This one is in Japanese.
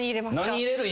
何入れる？